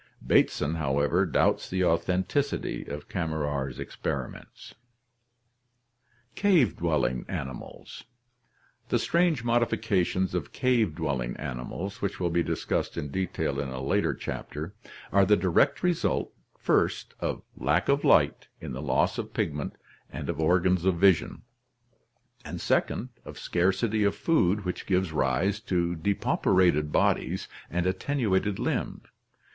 Bateson, however, doubts the authenticity of Kammerer's experiments. Cave dwelling Animals. — The strange modifications of cave dwelling animals, which will be discussed in detail in Chapter XXIII, are the direct result, first, of lack of light in the loss of pigment and of organs of vision, and, second, of scarcity of food which gives rise to depauperated bodies and attenuated limbs.